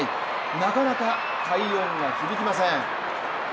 なかなか快音が響きません。